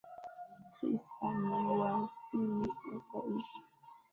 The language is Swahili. Chris amewasili sasa hivi.